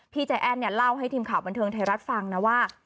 ใจแอ้นเนี่ยเล่าให้ทีมข่าวบันเทิงไทยรัฐฟังนะว่า